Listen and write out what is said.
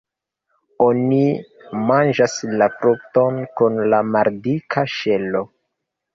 Oni manĝas la frukton kun la maldika ŝelo.